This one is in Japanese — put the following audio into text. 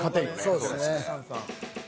そうですね。